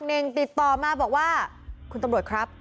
เน่งติดต่อมาบอกว่าคุณตำรวจครับ